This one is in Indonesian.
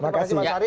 terima kasih mas ari